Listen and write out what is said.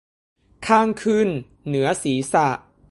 ข้างขึ้นเหนือศีรษะ